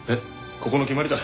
ここの決まりだ。